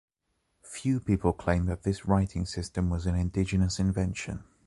Few people claim that this writing system was an indigenous invention.